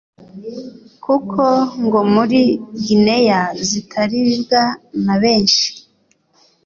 kuko ngo muri Guinea zitaribwa na benshi.